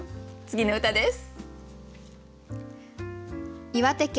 次の歌です。